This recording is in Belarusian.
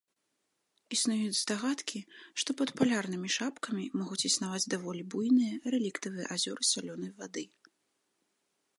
Існуюць здагадкі, што пад палярнымі шапкамі могуць існаваць даволі буйныя рэліктавыя азёры салёнай вады.